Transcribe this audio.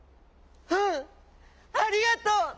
「うん。ありがとう！」。